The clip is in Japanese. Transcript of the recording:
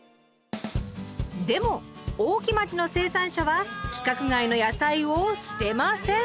でも大木町の生産者は規格外の野菜を捨てません！